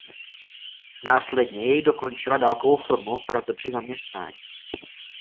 Následně jej dokončila dálkovou formou v Praze při zaměstnání.